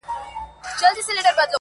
• د اولس برخه -